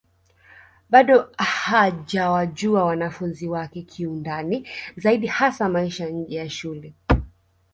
Bado hajawajua wanafunzi wake kiundani zaidi hasa maisha nje ya shule